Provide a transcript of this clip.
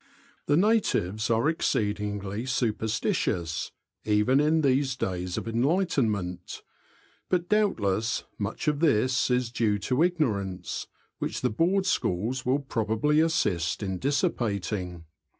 The natives are exceedingly superstitious, even in these days of enlightenment ; but doubtless much of this is due to ignorance, which the Board Schools will probably assist in dissipating.